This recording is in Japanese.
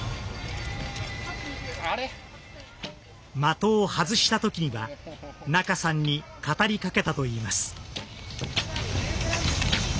的を外したときには仲さんに語りかけたといいます。